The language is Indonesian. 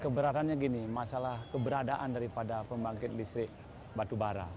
keberadaannya begini masalah keberadaan dari pembangkit listrik batubara